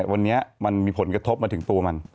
วันนี้มันมีผลกระทบมาถึงตัวมัน